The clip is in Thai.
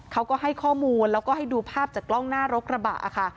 เขาก็ให้ข้อมูลแล้วก็ให้ดูภาพจากกล้องหน้ารถกระบะค่ะ